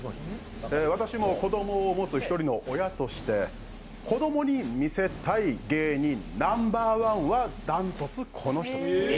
私も子供を持つ１人の親として子供に見せたい芸人ナンバーワンは断トツこの人。